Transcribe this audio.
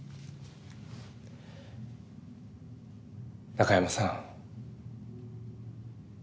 中山さん。